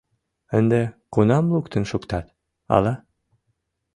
Ынде кунам луктын шуктат, ала.